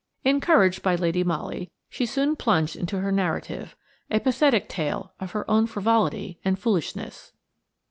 Encouraged by Lady Molly, she soon plunged into her narrative: a pathetic tale of her own frivolity and foolishness.